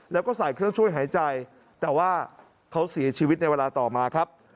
แล้วก็ใส่เครื่องช่วยหายใจแต่ว่าเขาเสียชีวิตในเวลาต่อมาครับ